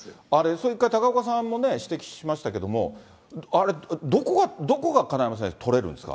それ一回、高岡さんも指摘しましたけども、あれ、どこが金山先生、取れるんですか？